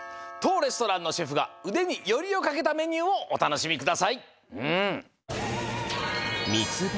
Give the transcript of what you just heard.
とうレストランのシェフがうでによりをかけたメニューをおたのしみください。